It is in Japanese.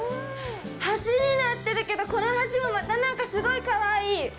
橋になってるけどこの橋もまた、なんかすごいかわいい。